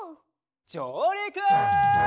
じょうりく！